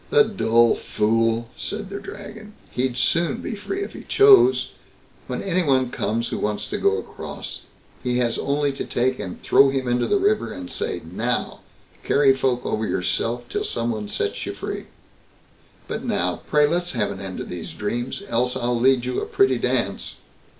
"The dull fool!" said the Dragon; "he'd soon be free, if he chose. When any one comes who wants to go across, he has only to take and throw him into the river, and say, 'Now, carry folk over yourself till someone sets you free.' But now, pray let's have an end of these dreams, else I'll lead you a pretty dance."